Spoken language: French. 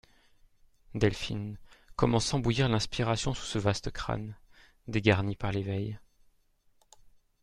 Delphine Comme on sent bouillir l'inspiration sous ce vaste crâne … dégarni par les veilles !